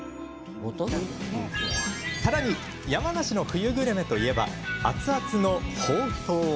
さらに、山梨の冬グルメといえば熱々のほうとう。